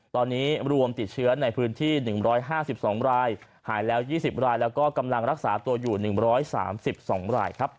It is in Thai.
ตอนนี้รวมติดเชื้อในพื้นที่๑๕๒รายหายแล้ว๒๐รายแล้วก็กำลังรักษาตัวอยู่๑๓๒รายครับ